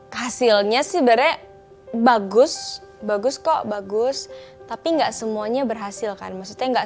hasilnya sebenarnya bagus bagus kok bagus tapi enggak semuanya berhasil kan maksudnya enggak